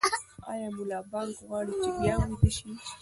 ایا ملا بانګ غواړي چې بیا ویده شي؟